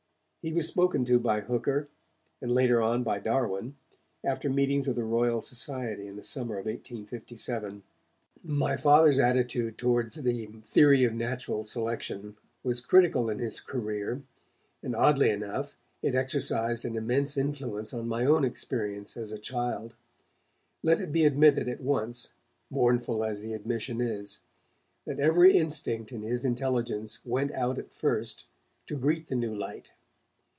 He was spoken to by Hooker, and later on by Darwin, after meetings of the Royal Society in the summer of 1857. My Father's attitude towards the theory of natural selection was critical in his career, and oddly enough, it exercised an immense influence on my own experience as a child. Let it be admitted at once, mournful as the admission is, that every instinct in his intelligence went out at first to greet the new light.